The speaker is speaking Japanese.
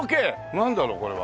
なんだろう？これは。